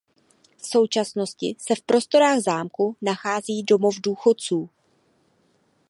V současnosti se v prostorách zámku nachází domov důchodců.